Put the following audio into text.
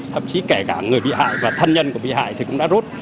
thậm chí kể cả người bị hại và thân nhân của bị hại thì cũng đã rút